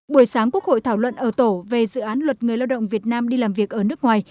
buổi sáng quốc hội thảo luận ở tổ về dự án luật người lao động việt nam đi làm việc ở nước ngoài